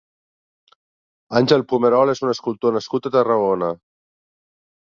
Àngel Pomerol és un escultor nascut a Tarragona.